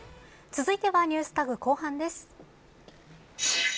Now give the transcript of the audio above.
続いてはＮｅｗｓＴａｇ後半です。